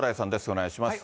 お願いします。